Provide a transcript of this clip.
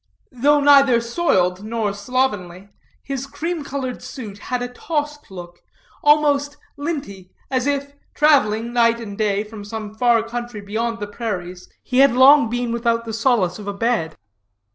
Though neither soiled nor slovenly, his cream colored suit had a tossed look, almost linty, as if, traveling night and day from some far country beyond the prairies, he had long been without the solace of a bed.